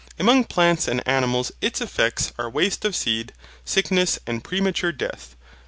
Among plants and animals its effects are waste of seed, sickness, and premature death.